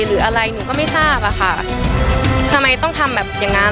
หรืออะไรหนูก็ไม่ทราบอะค่ะทำไมต้องทำแบบอย่างงั้น